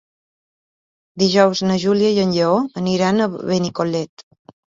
Dijous na Júlia i en Lleó aniran a Benicolet.